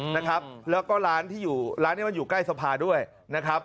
นะครับแล้วก็ร้านที่อยู่ร้านนี้มันอยู่ใกล้สภาด้วยนะครับ